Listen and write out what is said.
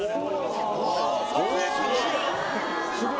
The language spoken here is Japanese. すごい！